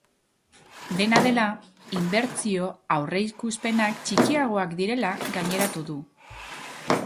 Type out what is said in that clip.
Dena dela, inbertsio aurreikuspenak txikiagoak direla gaineratu du.